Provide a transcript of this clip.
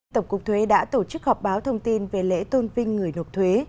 tổng cục thuế đã tổ chức họp báo thông tin về lễ tôn vinh người nộp thuế